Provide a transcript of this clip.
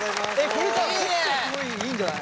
これさ結構すごいいいんじゃない？